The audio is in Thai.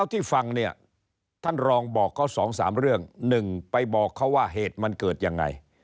ครับท่านลองบอกสเองสองสามเรื่อง